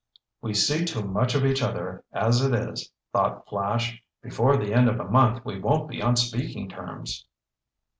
"We see too much of each other as it is," thought Flash. "Before the end of a month we won't be on speaking terms."